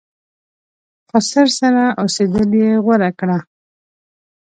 خسر سره اوسېدل یې غوره کړه.